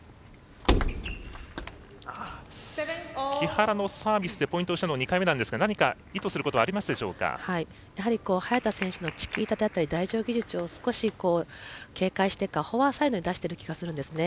木原もサービスのポイントをしたのは２回目なんですが何か意図することは早田選手のチキータだったり台上技術を警戒してかフォアサイドに出してる気はするんですね。